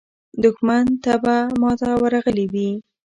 دښمن ته به ماته ورغلې وي.